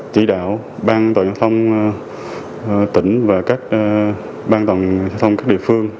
chỉ đạo ban an toàn giao thông tỉnh và các ban an toàn giao thông các địa phương